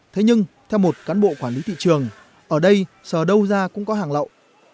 thế nhưng theo một cán bộ quản lý thị trường ở đây sở đâu ra cũng có hàng lậu